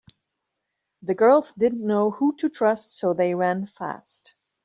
The girls didn’t know who to trust so they ran fast.